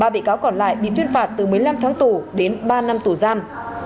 ba bị cáo còn lại bị tuyên phạt từ một mươi năm tháng tù đến ba năm tù giam